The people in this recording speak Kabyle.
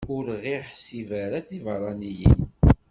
Ur ɣ-iḥsib ara d tibeṛṛaniyin?